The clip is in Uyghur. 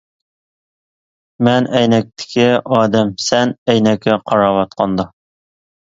مەن ئەينەكتىكى ئادەم سەن ئەينەككە قاراۋاتقاندا.